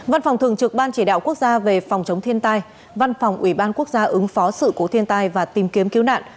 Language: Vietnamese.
văn phòng thường trực ban chỉ đạo quốc gia về phòng chống thiên tai văn phòng ủy ban quốc gia ứng phó sự cố thiên tai và tìm kiếm cứu nạn